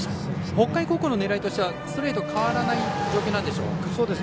北海高校の狙いはストレートで変わらないんでしょうか。